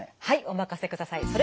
はいお任せください。